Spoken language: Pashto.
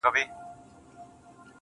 o خوني خنجر نه دى چي څوك يې پـټ كــړي.